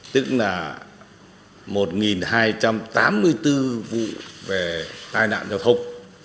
tức là một hai trăm tám mươi bốn vụ về tai nạn giao thông